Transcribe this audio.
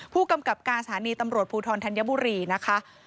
ผู้กำกับการสถานีตำรวจภูทรธัญบุรีนะคะ